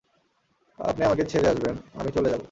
আপনি আমাকে ছেড়ে আসবেন, আমি চলে যাবো।